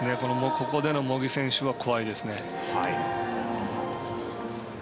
ここでの茂木選手は怖いですね。